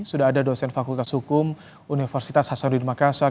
sudah ada dosen fakultas hukum universitas hasanuddin makassar